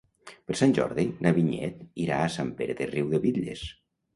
Per Sant Jordi na Vinyet irà a Sant Pere de Riudebitlles.